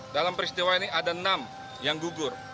dalam peristiwa ini ada enam yang gugur